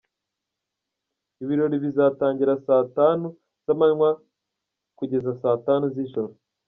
Ibi birori bizatangira saa tanu z’amanywa kugeza saa tanu z’ijoro.